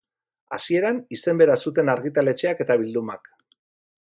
Hasieran, izen bera zuten argitaletxeak eta bildumak.